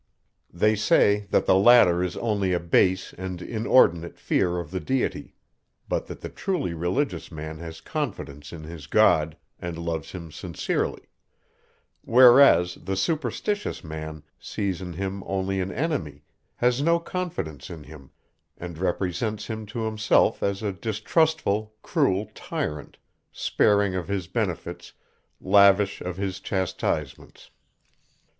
They say, that the latter is only a base and inordinate fear of the Deity; but that the truly religious man has confidence in his God, and loves him sincerely; whereas, the superstitious man sees in him only an enemy, has no confidence in him, and represents him to himself as a distrustful, cruel tyrant, sparing of his benefits, lavish of his chastisements.